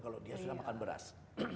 kalau dia sudah makan beras